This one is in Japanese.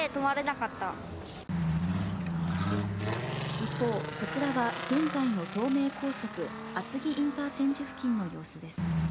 一方、こちらは現在の東名高速厚木インターチェンジ付近の様子です。